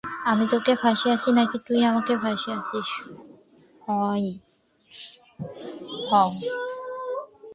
আমি তোকে ফাঁসিয়েছি নাকি তুই আমাকে ফাঁসিয়েছিস, হাহ?